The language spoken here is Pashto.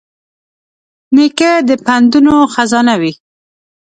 نیکه د پندونو خزانه وي.